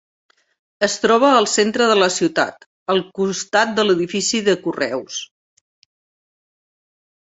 Es troba al centre de la ciutat al costat de l'edifici de correus.